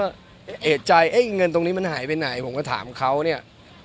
ก็เอกใจเงินตรงนี้มันหายไปไหนผมก็ถามเขาเนี่ย